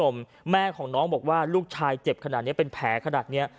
แม่ของน้องบอกว่าลูกชายเจ็บขนาดนี้เป็นแผลขนาดนี้